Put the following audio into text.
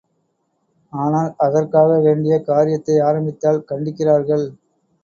ஆனால் அதற்காக வேண்டிய காரியத்தை ஆரம்பித்தால் கண்டிக்கிறார்கள்.